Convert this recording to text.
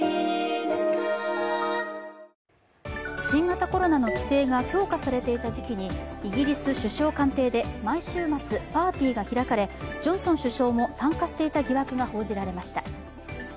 新型コロナの規制が強化されていた時期にイギリス首相官邸で毎週末パーティーが開かれジョンソン首相も参加していた疑惑が報じられました。